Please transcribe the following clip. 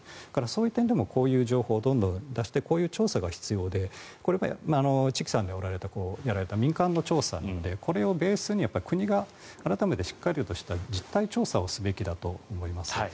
そういう点でもこういう情報をどんどん出してこういう調査が必要でチキさんがやられた民間の調査でこれをベースに国が改めてしっかりとした実態調査をすべきだと思います。